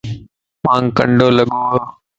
مانک ڪنڊو لڳو اَ